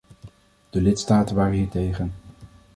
De lidstaten waren hier tegen.